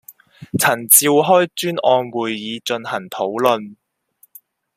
曾召開專案會議進行討論